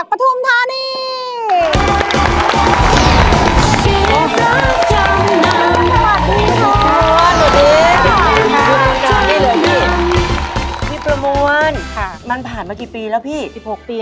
ขับรถมอเตอร์ไซค์ไปชนกับรถ๑๘ร้อย